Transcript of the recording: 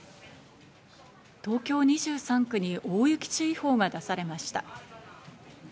東京２３区に大雪注意報が出されました。